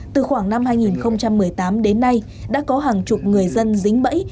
từ khoảng năm hai nghìn một mươi tám đến nay đã có hàng chục người dân dính bẫy